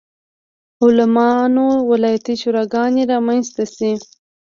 عالمانو ولایتي شوراګانې رامنځته شي.